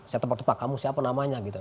saya tepak tepak kamu siapa namanya gitu